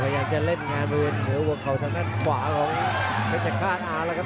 อยากจะเล่นงานบริเวณเทียวว่าเขาทางด้านขวาของเทศกาลอาร์แล้วครับ